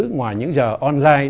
ngoài những giờ online